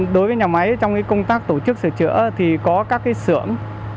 đối với nhà máy trong công tác tổ chức sửa chữa thì có các xưởng